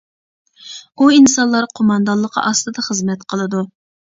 ئۇ ئىنسانلار قوماندانلىقى ئاستىدا خىزمەت قىلىدۇ.